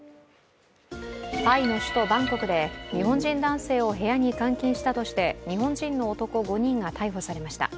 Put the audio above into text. タイの首都バンコクで、日本人男性を部屋に監禁したとして日本人の男５人が逮捕されました。